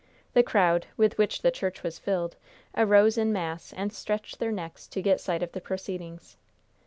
The crowd, with which the church was filled, arose in mass and stretched their necks to get sight of the proceedings.